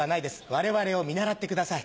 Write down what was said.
我々を見習ってください。